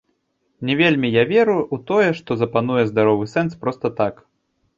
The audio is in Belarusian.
Не вельмі я веру ў тое, што запануе здаровы сэнс проста так.